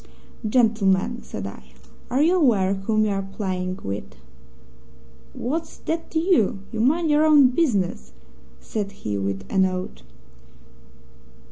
"'Gentlemen,' said I, 'are you aware whom you are playing with?' "'What's that to you? You mind your own business!' said he, with an oath.